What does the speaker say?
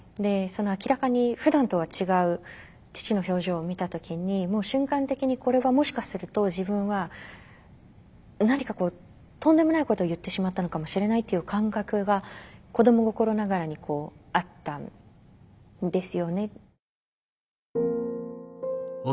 明らかにふだんとは違う父の表情を見た時にもう瞬間的にこれはもしかすると自分は何かとんでもないことを言ってしまったのかもしれないという感覚が子ども心ながらにあったんですよね。